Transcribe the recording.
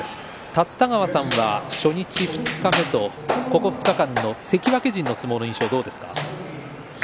立田川さんは初日、二日目と、この２日間の関脇陣どうですか。